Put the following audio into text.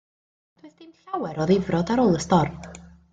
Doedd dim llawer o ddifrod ar ôl y storm.